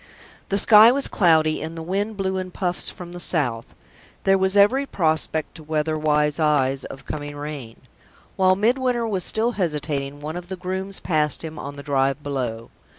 The sky was cloudy; and the wind blew in puffs from the south; there was every prospect, to weather wise eyes, of coming rain. While Midwinter was still hesitating, one of the grooms passed him on the drive below.